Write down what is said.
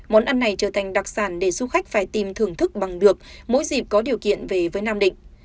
món ăn này trở thành đặc sản để du khách phải tìm thưởng thức bằng được mỗi dịp có điều kiện về với nam định